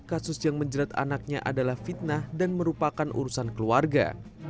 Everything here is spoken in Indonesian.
kasus yang menjerat anaknya adalah fitnah dan merupakan urusan keluarga